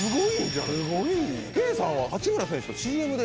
圭さんは八村選手とＣＭで。